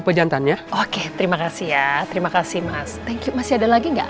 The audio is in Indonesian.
moga moga suami kamu seneng